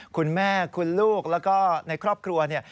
คุณแม่คุณลูกแล้วก็ในครอบครัวเนี่ย